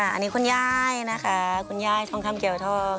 อันนี้คุณย่ายนะคะคุณย่ายท่องข้ามเกลียวท่อง